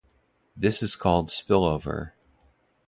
This is called "spillover".